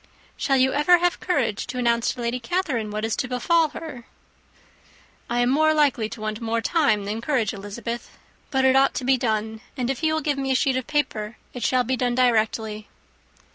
"Shall you ever have courage to announce to Lady Catherine what is to befall her?" "I am more likely to want time than courage, Elizabeth. But it ought to be done; and if you will give me a sheet of paper it shall be done directly."